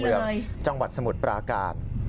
เมืองจังหวัดสมุทรปราการ